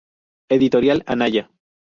Editorial Anaya.